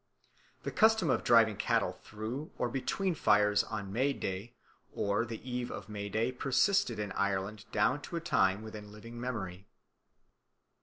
The custom of driving cattle through or between fires on May Day or the eve of May Day persisted in Ireland down to a time within living memory.